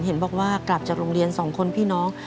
เห็นบอกว่ากลับจากโรงเรียน๒คนพี่น้อง